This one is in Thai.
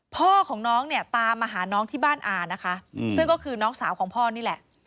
พ่อของน้องเนี่ยตามมาหาน้องที่บ้านอานะคะซึ่งก็คือน้องสาวของพ่อนี่แหละ